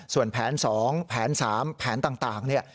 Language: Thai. ส่วนแผนสองแผนสามแผนต่างต่างเนี่ย